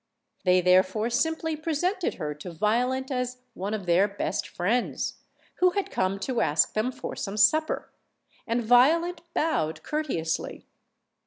They therefore simply presented her to Violent as one of their best friends, who had come to ask them for some supper, and Violent bowed courteously.